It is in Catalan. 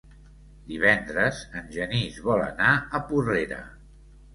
Divendres en Genís vol anar a Porrera.